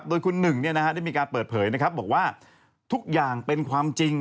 โดยคุณหนึ่งได้มีการเปิดเผยนะครับบอกว่าทุกอย่างเป็นความจริง